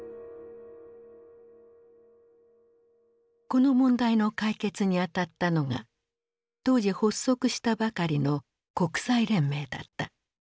この問題の解決に当たったのが当時発足したばかりの国際連盟だった。